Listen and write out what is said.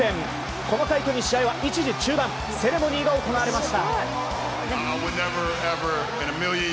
このタイトルに試合は一時中断セレモニーが行われました。